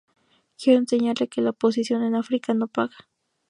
Quiero enseñar que la oposición en África no paga.